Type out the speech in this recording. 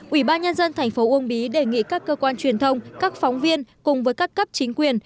ủy ban nhân dân thành phố uông bí đề nghị các cơ quan truyền thông các phóng viên cùng với các cấp chính quyền